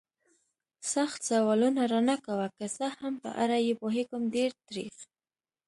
سخت سوالونه را نه کوه. که څه هم په اړه یې پوهېږم، ډېر تریخ.